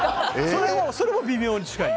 それも微妙に近い。